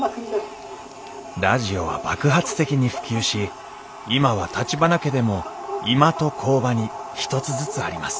ラジオは爆発的に普及し今は橘家でも居間と工場に一つずつあります